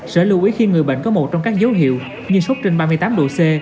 sở lưu ý khi người bệnh có một trong các dấu hiệu như sốt trên ba mươi tám độ c